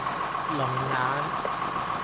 龍眼